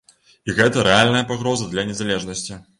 І гэта рэальная пагроза для незалежнасці.